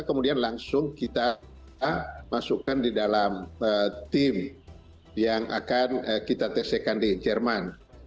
kemudian langsung kita masukkan di dalam tim yang akan kita tc kan di jerman